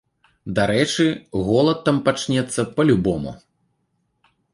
Дарэчы, голад там пачнецца па-любому.